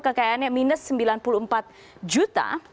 kekayaannya minus sembilan puluh empat juta